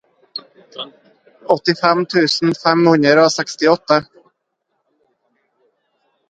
åttifem tusen fem hundre og sekstiåtte